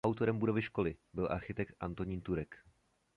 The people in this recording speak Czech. Autorem budovy školy byl architekt Antonín Turek.